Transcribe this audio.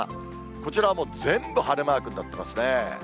こちらも全部晴れマークになってますね。